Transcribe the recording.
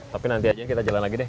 tapi nanti aja kita jalan lagi deh